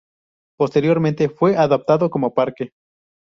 Posteriormente, fue adaptado como parque.